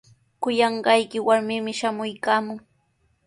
Kuyanqayki warmimi shamuykaamun.